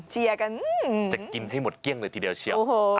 เชียร์กันจะกินให้หมดเกลี้ยงเลยทีเดียวเชียว